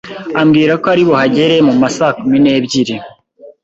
ambwira ko ari buhagere mu masakumi nebyiri.